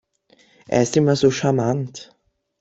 Er ist immer so charmant.